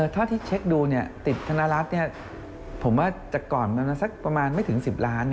เท่าที่เช็คดูติดธนรัฐผมว่าจากก่อนมันสักประมาณไม่ถึง๑๐ล้าน